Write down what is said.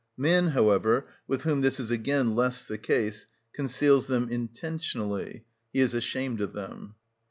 Man, however, with whom this is again less the case, conceals them intentionally: he is ashamed of them.